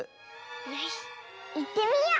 よしいってみよう！